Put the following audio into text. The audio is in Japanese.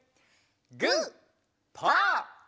グーパー！